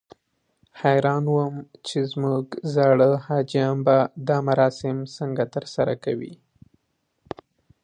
حیران وم چې زموږ زاړه حاجیان به دا مراسم څنګه ترسره کوي.